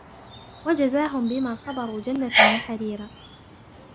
وجزاهم بما صبروا جنة وحريرا